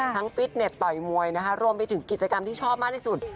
ฟิตเน็ตต่อยมวยนะคะรวมไปถึงกิจกรรมที่ชอบมากที่สุด